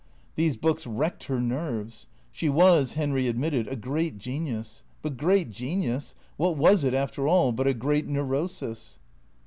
These books wrecked her nerves. She was, Henry admitted, a great genius; but great genius, what was it, after all, but a great Neurosis